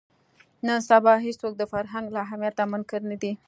نن سبا هېڅوک د فرهنګ له اهمیته منکر نه دي